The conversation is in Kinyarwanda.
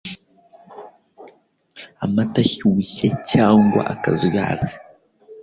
Amata ashyushye cyangwa akazuyazi